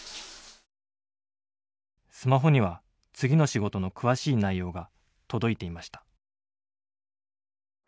スマホには次の仕事の詳しい内容が届いていました。